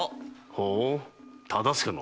ほお忠相の。